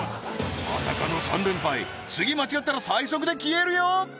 まさかの３連敗次間違ったら最速で消えるよ